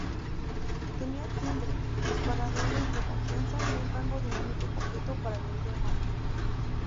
Tenía timbre, disparadores de confianza y un rango dinámico completo para el oído humano.